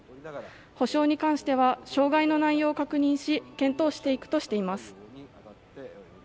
補償に関しては障害の内容を確認し検討していくとしています。